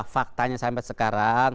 faktanya sampai sekarang